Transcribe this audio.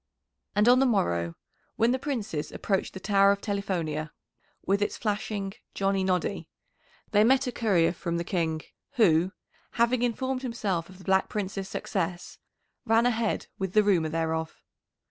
And on the morrow when the Princes approached the Tower of Telifonia, with its flashing "Johnny Noddy," they met a courier from the King, who, having informed himself of the Black Prince's success, ran ahead with the rumour thereof.